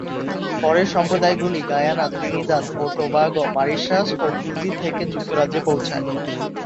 পরে, সম্প্রদায়গুলি Guyana, Trinidad ও টোবাগো, মরিশাস ও ফিজি থেকে যুক্তরাজ্যে পৌঁছায়।